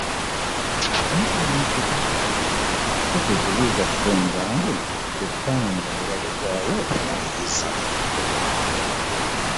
Baali balimiddeko akabanga Cissy kwe kubuuza Ssengawe ebbanga lye babuzaayo okumaliriza.